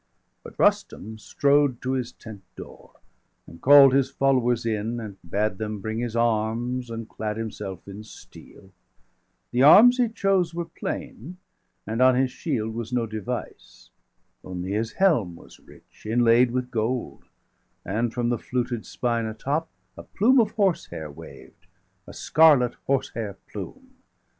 But Rustum strode to his tent door, and call'd His followers in, and bade them bring his arms, And clad himself in steel; the arms he chose 265 Were plain, and on his shield was no device,° °266 Only his helm was rich, inlaid with gold, And, from the fluted spine atop, a plume Of horsehair waved, a scarlet horsehair plume.